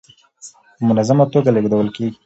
په منظمه ټوګه لېږدول کيږي.